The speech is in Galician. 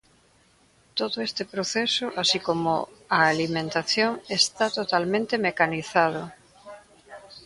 Todo este proceso, así como a alimentación, está totalmente mecanizado.